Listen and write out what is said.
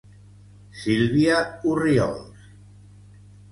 Silvia Orriols.